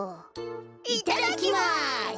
いただきます。